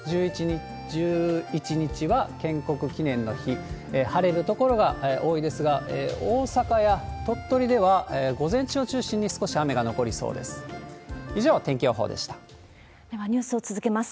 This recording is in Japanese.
１１日は建国記念の日、晴れる所が多いですが、大阪や鳥取では、午前中を中心に少し雨が残りそうです。